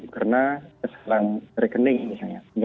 karena kesalahan rekening misalnya